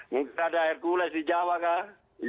mungkin ada air kules di jawa kak